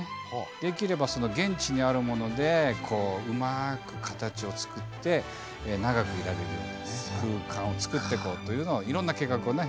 できれば現地にあるものでうまく形を作って長くいられるような空間を作っていこうというのをいろんな計画をね